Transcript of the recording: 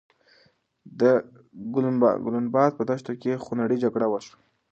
د ګلناباد په دښته کې خونړۍ جګړه وشوه.